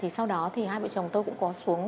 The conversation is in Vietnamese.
sau đó hai vợ chồng tôi cũng có xuống